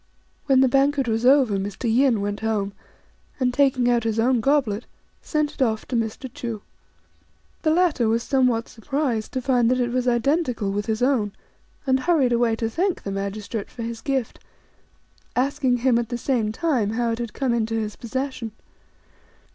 When the banquet was over, Mr. Yin went home, and taking out 32 STRANGE STORIES his own goblet, sent it off to Mr. Chu. The latter was somewhat surprised to find that it was identical with his own, and hurried away to thank the magistrate for his gift, asking him at the same time how it had come into his possession.